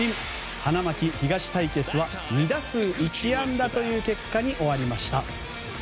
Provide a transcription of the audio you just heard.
花巻東対決は２打数１安打という結果に終わりました。